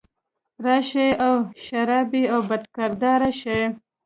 راشي او شرابي او بدکرداره شي